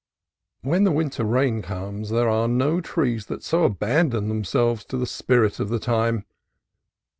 When the winter rains come there are no trees that so abandon themselves to the spirit of the time.